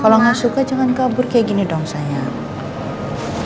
kalau nggak suka jangan kabur kayak gini dong sayang